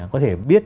có thể biết